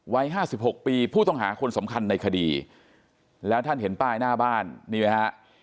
วัย๕๖ปีผู้ต้องหาคนสำคัญในคดีแล้วท่านเห็นป้ายหน้าบ้านนี่ไหมฮะ